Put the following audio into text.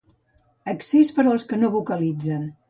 Accés per als que no vocalitzen.